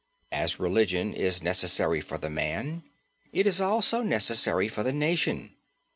As religion is necessary for the man, it is also necessary for the nation.